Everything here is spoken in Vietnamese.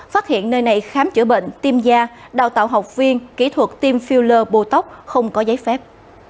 phát hiện nơi này khám chữa bệnh tiêm da đào tạo học viên kỹ thuật tiêm filler bồ tóc không có giấy phép